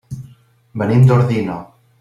Venim d'Ordino.